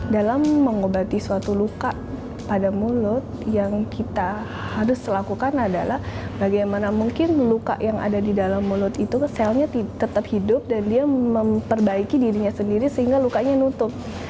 dalam mengobati suatu luka pada mulut yang kita harus lakukan adalah bagaimana mungkin luka yang ada di dalam mulut itu selnya tetap hidup dan dia memperbaiki dirinya sendiri sehingga lukanya nutup